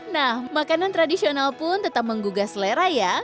nah makanan tradisional pun tetap menggugah selera ya